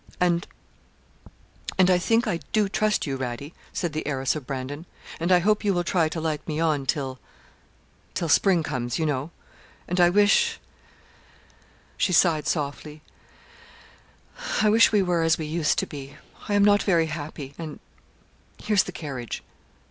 'And and, I think, I do trust you, Radie,' said the heiress of Brandon; 'and I hope you will try to like me on till till spring comes, you know. And, I wish,' she sighed softly, 'I wish we were as we used to be. I am not very happy; and here's the carriage.'